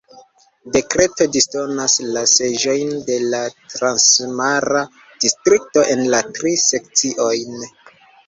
Dekreto disdonas la seĝojn de la transmara distrikto en la tri sekciojn.